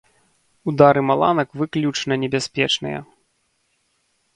Удары маланак выключна небяспечныя.